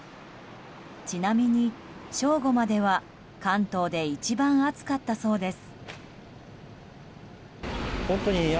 ちなみに正午までは関東で一番暑かったそうです。